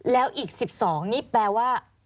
แล้วอีก๑๒นี่แปลว่า